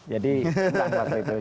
jadi tidak waktu itu